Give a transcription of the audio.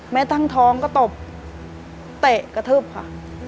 แม้ทั้งท้องก็ตบเตะกระทืบค่ะ